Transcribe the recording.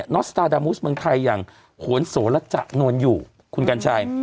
อสตาร์ดามูสเมืองไทยอย่างโหนโสระจะนวลอยู่คุณกัญชัย